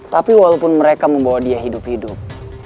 tapi walaupun mereka membawa dia hidup hidup